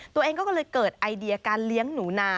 ตัวเองก็เลยเกิดไอเดียการเลี้ยงหนูนา